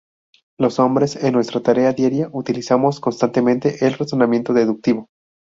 Los hombres en nuestra tarea diaria, utilizamos constantemente el razonamiento deductivo.